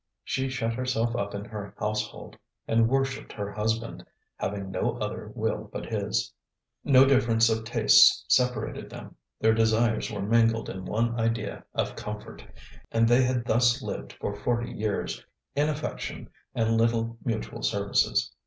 She shut herself up in her household, and worshipped her husband, having no other will but his. No difference of tastes separated them, their desires were mingled in one idea of comfort; and they had thus lived for forty years, in affection and little mutual services.